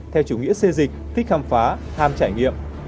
theo chủ nghĩa xê dịch thích khám phá ham trải nghiệm